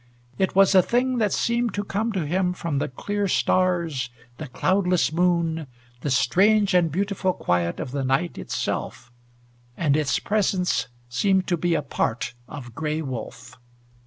It was a thing that seemed to come to him from the clear stars, the cloudless moon, the strange and beautiful quiet of the night itself. And its presence seemed to be a part of Gray Wolf.